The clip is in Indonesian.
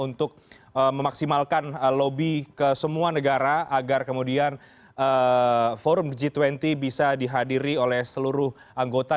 untuk memaksimalkan lobby ke semua negara agar kemudian forum g dua puluh bisa dihadiri oleh seluruh anggota